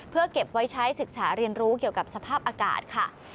เพื่อเก็บไว้ใช้ศึกษาเรียนรู้เกี่ยวกับสภาพอากาศค่ะ